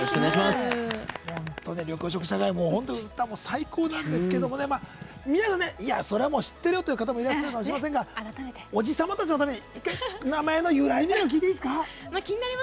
緑黄色社会も歌も最高なんですが皆さん、それはもう知ってるよという方もいらっしゃるかもしれないですがおじ様たちのために１回、名前の由来を聞いていいですか？